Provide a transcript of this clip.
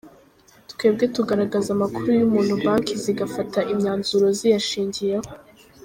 Twebwe tugaragaza amakuru y’umuntu banki zigafata imyanzuro ziyashingiyeho.